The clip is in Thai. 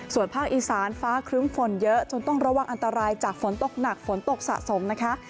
ส่วนภาคอีสานฟ้าครึ้มฝนเยอะจนต้องระวังอันตรายจากฝนตกหนักฝนตกสะสมนะคะ